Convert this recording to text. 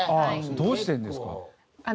どうしてるんですか？